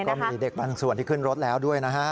ก็มีเด็กบางส่วนที่ขึ้นรถแล้วด้วยนะฮะ